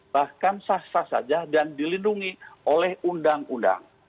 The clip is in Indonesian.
bahkan sah sah saja dan dilindungi oleh undang undang